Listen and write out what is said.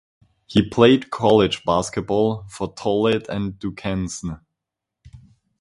He played college basketball for Toledo and Duquesne.